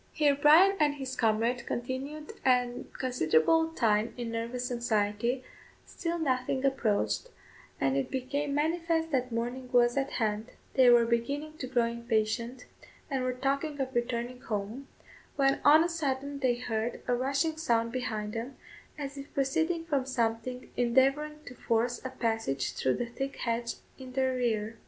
Here Bryan and his comrade continued a considerable time in nervous anxiety, still nothing approached, and it became manifest that morning was at hand; they were beginning to grow impatient, and were talking of returning home, when on a sudden they heard a rushing sound behind them, as if proceeding from something endeavouring to force a passage through the thick hedge in their rear.